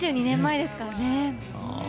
２２年前ですからね。